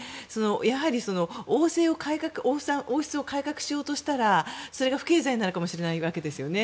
やはり王室を改革しようとしたらそれが不敬罪になるかもしれないわけですよね。